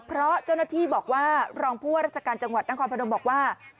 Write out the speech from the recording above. เพราะเจ้าหน้าที่บอกว่ารองผู้ว่าราชการจังหวัดนครพนมบอกว่า